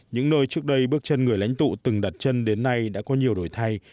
những nơi trước đây bước chân người lãnh tụ từng đặt chân đến nay đã có nhiều đổi thay